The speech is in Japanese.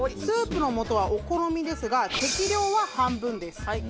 スープの素はお好みですが適量は半分です。